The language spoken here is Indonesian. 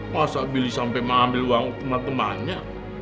masa billy sampe mengambil uang temen temennya